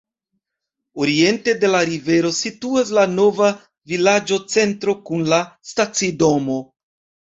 Oriente de la rivero situas la nova vilaĝocentro kun la stacidomo.